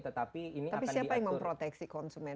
tetapi siapa yang memproteksi konsumen